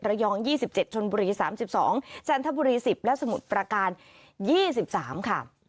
ระยองยี่สิบเจ็ดชนบุรีสามสิบสองจันทบุรีสิบและสมุทรประการยี่สิบสามค่ะ